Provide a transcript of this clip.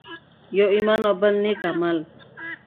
يو ایمان او بل نیک عمل.